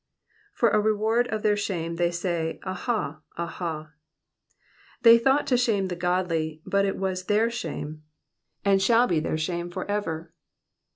'''For a reward of their shams tkat my, Aha, aha.'*'' They thought to shame the godly, but it was their shame, and shall be their shame for ever.